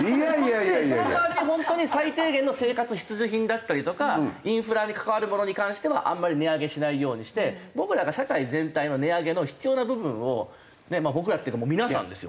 そしてその代わりに本当に最低限の生活必需品だったりとかインフラに関わるものに関してはあんまり値上げしないようにして僕らが社会全体の値上げの必要な部分を僕らっていうか皆さんですよ。